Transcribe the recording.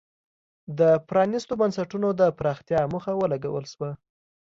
د پرانیستو بنسټونو د پراختیا موخه ولګول شوه.